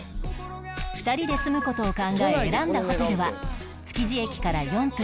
２人で住む事を考え選んだホテルは築地駅から４分